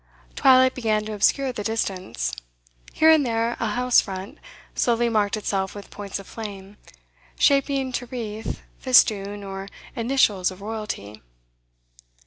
Twilight began to obscure the distance. Here and there a house front slowly marked itself with points of flame, shaping to wreath, festoon, or initials of Royalty.